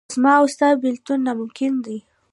زما او ستا بېلتون ناممکن دی.